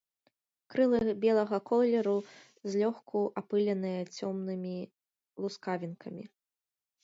Крылы белага колеру, злёгку апыленыя цёмнымі лускавінкамі.